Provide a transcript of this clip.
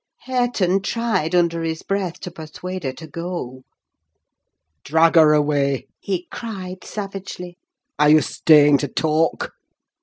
Hareton tried, under his breath, to persuade her to go. "Drag her away!" he cried, savagely. "Are you staying to talk?"